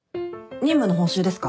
任務の報酬ですか？